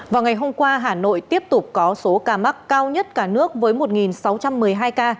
vào ngày hôm qua hà nội tiếp tục có số ca mắc cao nhất cả nước với một sáu trăm một mươi hai ca